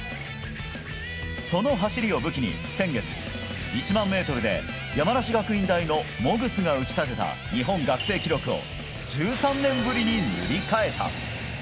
その走りを武器に先月、１００００ｍで山梨学院大のモグスが打ち立てた学生記録を１３年ぶりに塗り替えた。